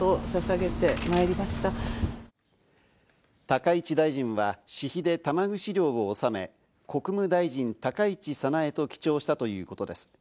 高市大臣は私費で玉串料を納め、「国務大臣高市早苗」と記帳したということです。